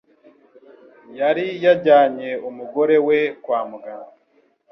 yari yajyanye umugore we kwa muganga